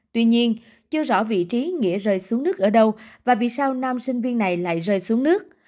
tuy nhiên chưa rõ vị trí nghĩa rơi xuống nước ở đâu và vì sao nam sinh viên này lại rơi xuống nước